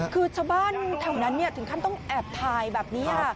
คือชาวบ้านแถวนั้นเนี่ยถึงท่านต้องแอบถ่ายแบบนี้ฮะ